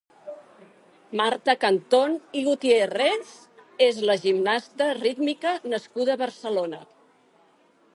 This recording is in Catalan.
Marta Cantón i Gutiérrez és una gimnasta rítmica nascuda a Barcelona.